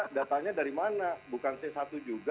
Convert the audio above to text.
datanya dari mana bukan c satu juga